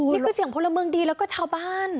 นี่คือเสียงพลเมืองดีแล้วก็ชาวบ้าน